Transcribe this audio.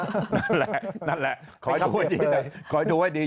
นั่นแหละนั่นแหละคอยดูให้ดีเลยคอยดูให้ดี